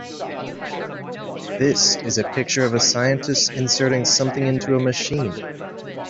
This is a picture of a scientist inserting something into a machine.